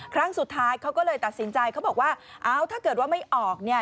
ครั้งสุดท้ายเขาก็เลยตัดสินใจเขาบอกว่าเอาถ้าเกิดว่าไม่ออกเนี่ย